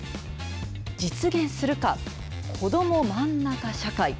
実現するかこどもまんなか社会。